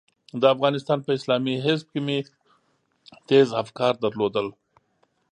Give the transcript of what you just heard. د افغانستان په اسلامي حزب کې مې تېز افکار درلودل.